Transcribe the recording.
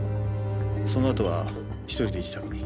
そのあとは１人で自宅に。